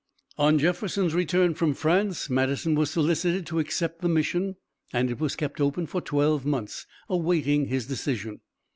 On Jefferson's return from France, Madison was solicited to accept the mission and it was kept open for twelve months awaiting his decision.